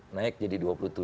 naik jadi dua puluh tujuh